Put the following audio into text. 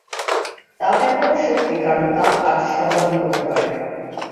তাপ এক প্রকার শক্তি কারণ তাপ কাজ সম্পাদন করতে পারে।